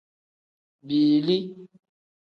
Biili.